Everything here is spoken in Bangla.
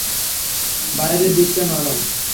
বাইরের দিকটা নরম।